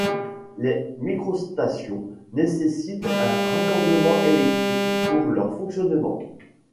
Les microstations nécessitent un raccordement électrique pour leur fonctionnement.